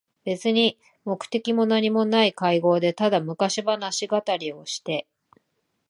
べつに目的もなにもない会合で、ただ昔物語りをして、